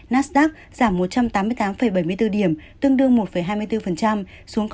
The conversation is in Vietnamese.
nasdaq giảm một trăm tám mươi tám bảy mươi bốn điểm tương đương một hai mươi bốn